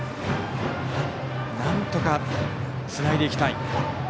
なんとかつないでいきたい